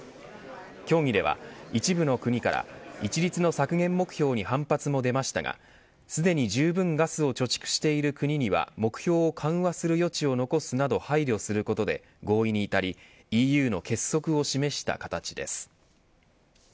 協議では一部の国から一律の削減目標に反発も出ましたがすでに、じゅうぶんガスを貯蓄している国には目標を緩和する余地を残すなど配慮することで合意に至りＥＵの結束を示した形です。